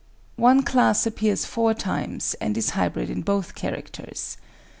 One class appears four times, and is hybrid in both characters.